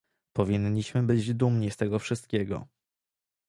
Powinniśmy być dumni z tego wszystkiego